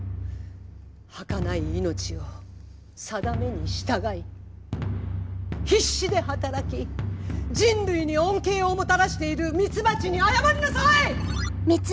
はかない命を定めに従い必死で働き人類に恩恵をもたらしているミツバチに謝りなさい！！